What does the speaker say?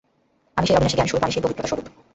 আমি সেই অবিনাশী জ্ঞান-স্বরূপ, আমি সেই পবিত্রতা-স্বরূপ।